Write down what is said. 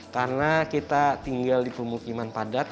karena kita tinggal di pemukiman padat